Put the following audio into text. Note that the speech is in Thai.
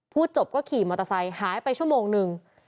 พูดจบก็ขี่มอเตอร์ไซค์หายไปชั่วโมงนึง